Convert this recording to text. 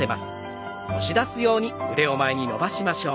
押し出すように前に伸ばしましょう。